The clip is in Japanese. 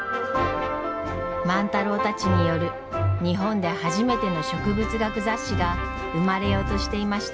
万太郎たちによる日本で初めての植物学雑誌が生まれようとしていました。